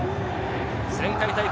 前回大会